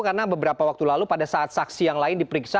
karena beberapa waktu lalu pada saat saksi yang lain diperiksa